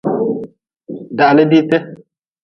Dahli diite.